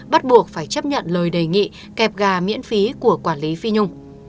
bắt buộc phải chấp nhận lời đề nghị kẹp gà miễn phí của quản lý phi nhung